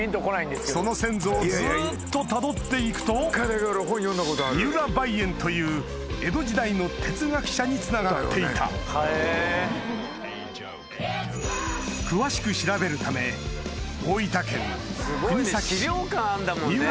その先祖をずっとたどって行くと三浦梅園という江戸時代の哲学者につながっていた詳しく調べるためへぇ！